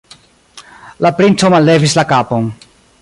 La princo mallevis la kapon.